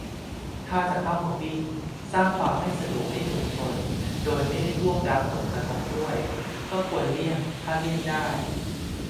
ถ้าจะเข้ามาวิ่ง สร้างความไม่สะดวกให้ชุมชน โดยไม่ได้ร่วมรับผลกระทบด้วย ก็ควรเลี่ยงถ้าเลี่ยงได้